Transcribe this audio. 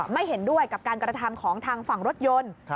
ไม่เห็นด้วยกับการกระทำของทางฝั่งรถยนต์